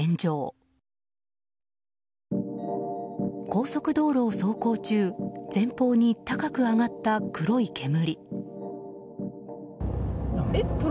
高速道路を走行中前方に高く上がった黒い煙。